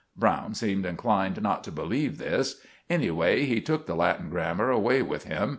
Browne seemed inclined not to believe this. Anyway, he took the Latin grammar away with him.